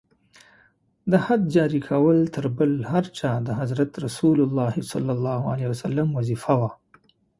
د حد جاري کول تر بل هر چا د حضرت رسول ص وظیفه وه.